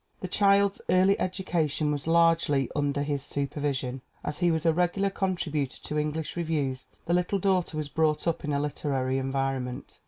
The child's early education was largely under his supervision. As he was a regular contributor to AMELIA E. BARR 307 English reviews, the little daughter was brought up in a literary environment.